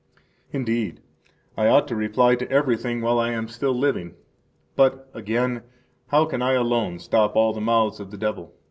5 Indeed, I ought to reply to everything while I am still living. But, again, how can I alone stop all the mouths of the devil?